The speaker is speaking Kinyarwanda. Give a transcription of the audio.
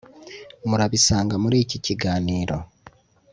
murabisanga muri iki kiganiro